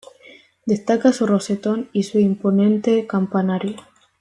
Destaca su rosetón y su imponente campanario.